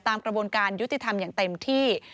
กระบวนการยุติธรรมอย่างเต็มที่